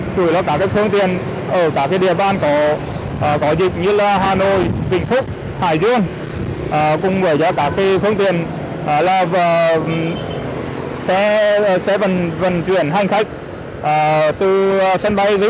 chia làm ba ca trực